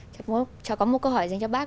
chào có một câu hỏi dành cho bác